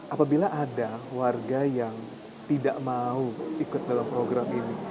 apabila ada warga yang tidak mau ikut dalam program ini